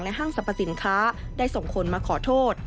ห้างสรรพสินค้าได้ส่งคนมาขอโทษ